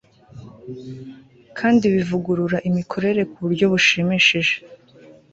kandi bivugurura imikorere ku buryo bushimishije